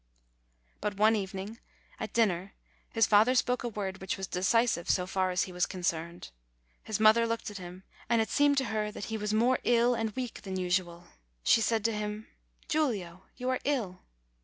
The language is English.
But one evening at dinner his father spoke a word which was decisive so far as he was concerned. His mother looked at him, and it seemed to her that he was more ill and weak than usual. She said to him, "Giulio, you are ill."